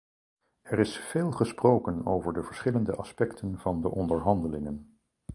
Er is veel gesproken over de verschillende aspecten van de onderhandelingen.